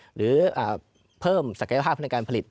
หรือเพิ่มศักยภาพในการผลิต